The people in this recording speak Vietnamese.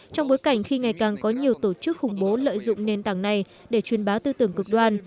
trong bối cảnh khi ngày càng có nhiều tổ chức khủng bố lợi dụng nền tảng này để truyền bá tư tưởng cực đoan